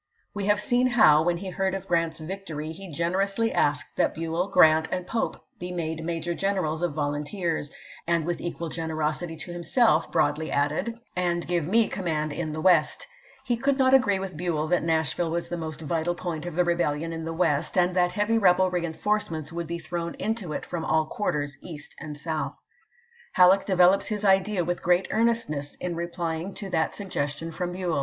We have seen how, when he heard of Grant's victory, he generously asked that Buell, Grant, and Pope be made major generals of volunteers^ and with equal generosity to himself broadly added, Vol. v.— 20 306 ABRAHAM LINCOLN Ch. XVITL Halleck to BueU. Feb. 18, 1862. W. R. VoL VII., pp. 632, 63.'j. " and give me command in the West." He could not agree with BueU that Nashville was the most "s^tal point of the rebellion in the West, and that heavy rebel reenforcements would be thrown into it from all quarters east and south. Halleck develops his idea with great earnestness in replying to that suggestion from BueU.